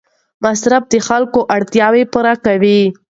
مصرف د خلکو اړتیاوې پوره کوي.